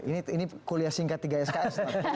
ini kuliah singkat tiga sks